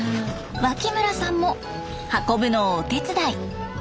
脇村さんも運ぶのをお手伝い。